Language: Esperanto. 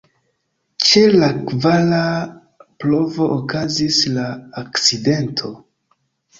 Ĉe la kvara provo okazis la akcidento.